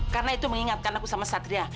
karena itu mengingatkan aku sama satria